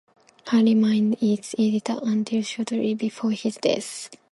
He remained its editor until shortly before his death.